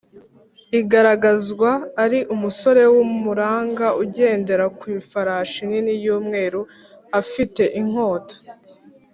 igaragazwa ari umusore w’uburanga ugendera ku ifarashi nini y’umweru afite inkota